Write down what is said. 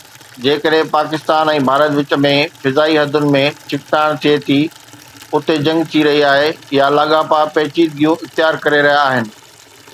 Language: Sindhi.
جيڪڏهن پاڪستان ۽ ڀارت وچ ۾ فضائي حدن ۾ ڇڪتاڻ ٿئي ٿي، اتي جنگ ٿي رهي آهي يا لاڳاپا پيچيدگيون اختيار ڪري رهيا آهن